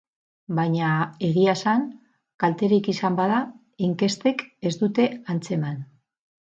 Baina, egia esan, kalterik izan bada, inkestek ez dute antzeman.